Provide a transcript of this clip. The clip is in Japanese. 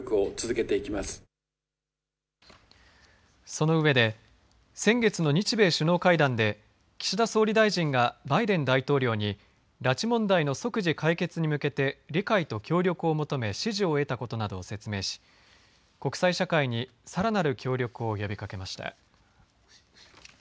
その上で先月の日米首脳会談で岸田総理大臣がバイデン大統領に拉致問題の即時解決に向けて理解と協力を求め支持を得たことなどを説明し国際社会に、さらなる協力を呼びかけました。